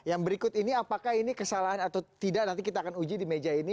yang berikut ini apakah ini kesalahan atau tidak nanti kita akan uji di meja ini